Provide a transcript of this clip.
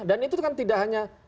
dan itu kan tidak hanya